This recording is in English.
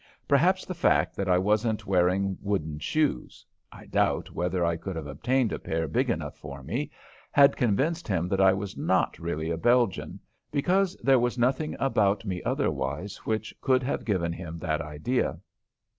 Perhaps the fact that I wasn't wearing wooden shoes I doubt whether I could have obtained a pair big enough for me had convinced him that I was not really a Belgian, because there was nothing about me otherwise which could have given him that idea.